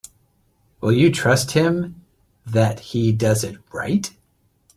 Will you trust him that he does it right?